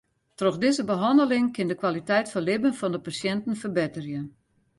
Troch dizze behanneling kin de kwaliteit fan libben fan de pasjinten ferbetterje.